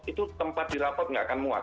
itu tempat di rapat nggak akan muat